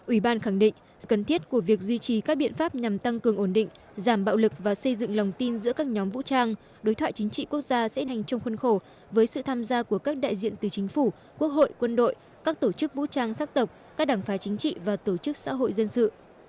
ủy ban khẳng định cần thiết của việc duy trì các biện pháp nhằm tăng cường ổn định giảm bạo lực và xây dựng lòng tin giữa các nhóm vũ trang đối thoại chính trị quốc gia sẽ nằm trong khuôn khổ với sự tham gia của các đại diện từ chính phủ quốc hội quân đội các tổ chức vũ trang sắc tộc các đảng phái chính trị và tổ chức xã hội dân sự